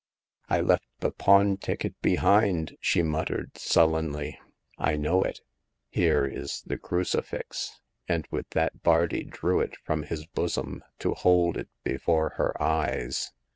" I left the pawn ticket behind," she muttered, sullenly. I know it. Here is the crucifix !" and with that Bardi drew it from his bosom to hold it be fore her eyes.